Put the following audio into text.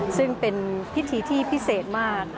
ซึ่งเป็นพิธีที่พิเศษมาก